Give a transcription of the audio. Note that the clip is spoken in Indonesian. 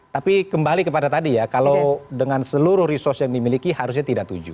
tapi kembali kepada tadi ya kalau dengan seluruh resource yang dimiliki harusnya tidak tujuh